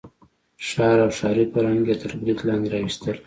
ښار او ښاري فرهنګ یې تر برید لاندې راوستلی.